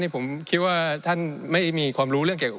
ผมคิดว่าท่านไม่มีความรู้เรื่องเกี่ยวกับ